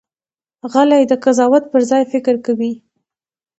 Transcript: غلی، د قضاوت پر ځای فکر کوي.